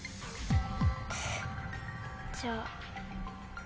じゃあ。